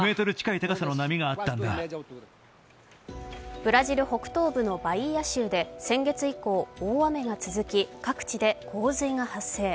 ブラジル北東部のバイーア州で先月以降、大雨が続き各地で洪水が発生。